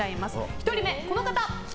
１人目はこの方。